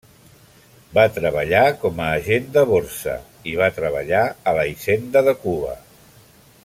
Va treballar com a agent de borsa i va treballar a la hisenda de Cuba.